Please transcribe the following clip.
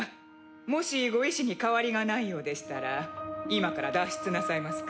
もしご意志に変わりがないようでしたら今から脱出なさいますか？